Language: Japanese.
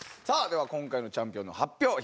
さあでは今回のチャンピオンの発表